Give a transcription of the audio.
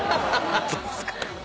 そうですか。